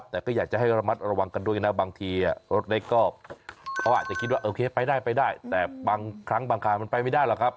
แต่บางครั้งบางครามันไปไม่ได้หรอกครับ